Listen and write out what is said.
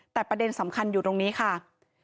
แต่ประเด็นสำคัญอยู่ตรงนี้ค่ะ